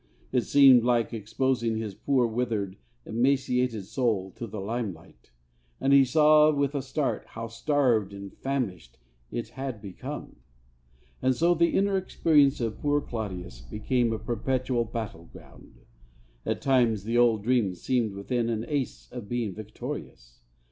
It seemed like exposing his poor withered, emaciated soul to the limelight; and he saw with a start how starved and famished it had become. And so the inner experience of poor Claudius became a perpetual battle ground. At times the old dream seemed within an ace of being victorious.